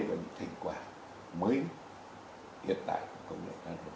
và những thành quả mới hiện tại của công nghệ nano